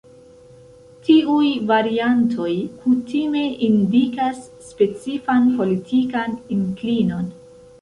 Tiuj variantoj kutime indikas specifan politikan inklinon.